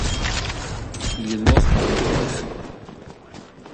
Il est mort par le coup de feu.